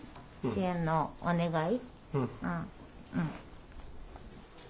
支援のお願い。